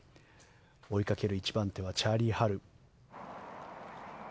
追いかける１番手はチャーリー・ハル。